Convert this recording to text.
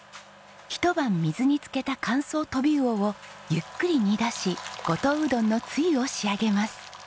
ひと晩水に漬けた乾燥トビウオをゆっくり煮だし五島うどんのつゆを仕上げます。